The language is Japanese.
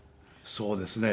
そうですね。